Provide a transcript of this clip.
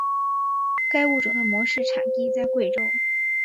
该物种的模式产地在贵州。